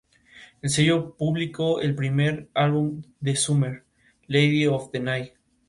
El sello publicó el primer álbum de Summer, "Lady of The Night".